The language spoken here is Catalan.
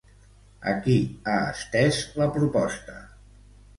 A qui ha estès la proposta?